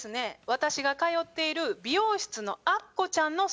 私が通っている美容室のアッコちゃんの相談です。